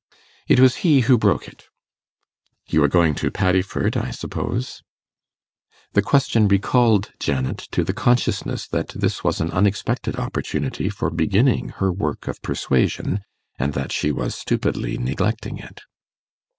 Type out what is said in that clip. It was he who broke it. 'You are going to Paddiford, I suppose?' The question recalled Janet to the consciousness that this was an unexpected opportunity for beginning her work of persuasion, and that she was stupidly neglecting it.